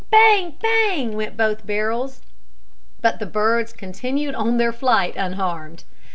Bang! bang! went both barrels, but the birds continued their flight unharmed.